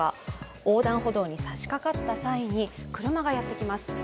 横断歩道にさしかかった際に車がやってきます。